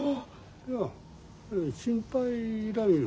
いや心配いらんよ。